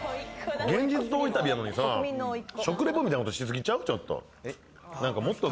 現実逃避旅なのにさ、食レポみたいなことし過ぎちゃう、ちょっと。